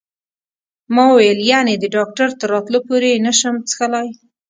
ما وویل: یعنې د ډاکټر تر راتلو پورې یې نه شم څښلای؟